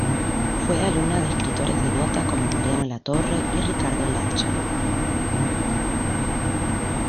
Fue alumna de escritores de nota como Mariano Latorre y Ricardo Latcham.